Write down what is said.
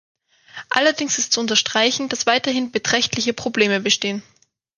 Allerdings ist zu unterstreichen, dass weiterhin beträchtliche Probleme bestehen.